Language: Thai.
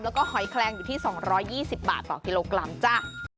แล้วก็หอยแคลงอยู่ที่๒๒๐บาทต่อกิโลกรัมจ้ะ